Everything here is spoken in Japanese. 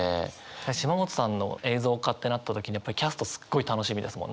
島本さんの映像化ってなった時にやっぱりキャストすっごい楽しみですもん。